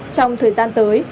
trong thời gian tới